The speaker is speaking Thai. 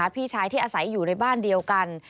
พี่ชายที่อาศัยอยู่ในบ้านเดียวกัน